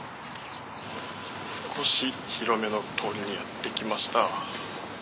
少し広めの通りにやってきました。